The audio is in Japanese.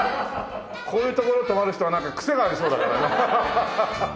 こういう所泊まる人はなんかクセがありそうだからな。